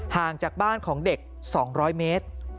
ห่างจากบ้านของเด็ก๒๐๐เมตร